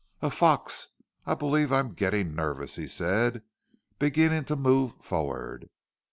"A fox! I believe I am getting nervous," he said, beginning to move forward.